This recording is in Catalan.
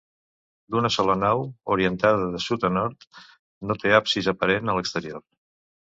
D'una sola nau, orientada de sud a nord, no té absis aparent a l'exterior.